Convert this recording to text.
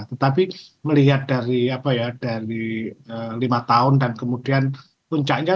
tetapi melihat dari lima tahun dan kemudian puncaknya